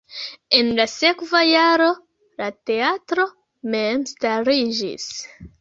En la sekva jaro la teatro memstariĝis.